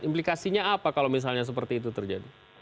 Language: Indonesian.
implikasinya apa kalau misalnya seperti itu terjadi